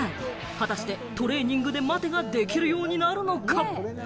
果たしてトレーニングで待てができるようになるのか？